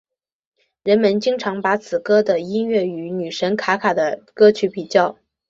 人们经常把此歌的音乐与女神卡卡的歌曲比较。